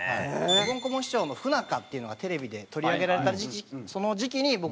おぼん・こぼん師匠の不仲っていうのがテレビで取り上げられた時期その時期に僕